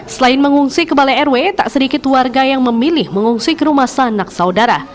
selain mengungsi ke balai rw tak sedikit warga yang memilih mengungsi ke rumah sanak saudara